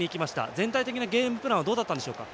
全体的なゲームプランはどうだったんでしょうか？